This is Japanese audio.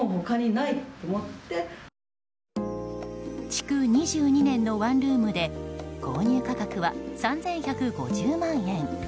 築２２年のワンルームで購入価格は３１５０万円。